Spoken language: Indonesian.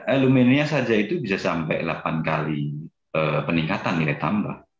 eluminnya saja itu bisa sampai delapan kali peningkatan nilai tambah